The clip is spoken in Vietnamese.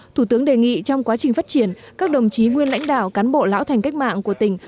thủ tướng đề nghị trong quá trình phát triển các đồng chí nguyên lãnh đạo cán bộ lão thành cách mạng của tỉnh